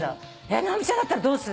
直美ちゃんだったらどうする？